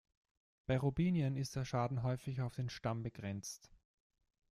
Bei Robinien ist der Schaden häufig auf den Stamm begrenzt.